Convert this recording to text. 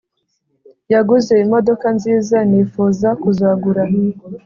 yaguze imodoka nziza nifuza kuzagura